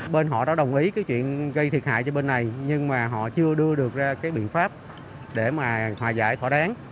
bên họ đã đồng ý cái chuyện gây thiệt hại cho bên này nhưng mà họ chưa đưa được ra cái biện pháp để mà hòa giải thỏa đáng